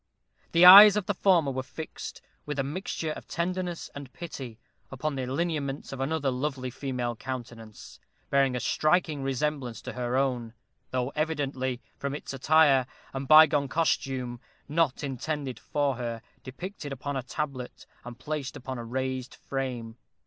The eyes of the former were fixed, with a mixture of tenderness and pity, upon the lineaments of another lovely female countenance, bearing a striking resemblance to her own, though evidently, from its attire, and bygone costume, not intended for her, depicted upon a tablet, and placed upon a raised frame.